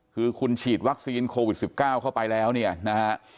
คือคุณฉีดวัคซีนโควิด๑๙เข้าไปแล้วเนี่ยนะฮะ